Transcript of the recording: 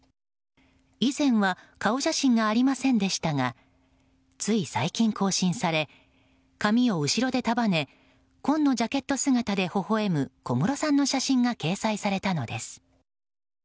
以前は顔写真がありませんでしたがつい最近、更新され髪を後ろで束ね紺のジャケット姿で微笑む小室さんの写真が掲載されたのです。